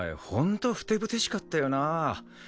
本当ふてぶてしかったよなあ。